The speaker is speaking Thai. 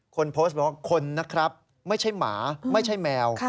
คนโพสต์บอกว่าคนนะครับไม่ใช่หมาไม่ใช่แมว